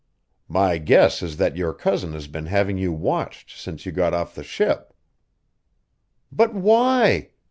"My guess is that your cousin has been having you watched since you got off the ship." "But, why?"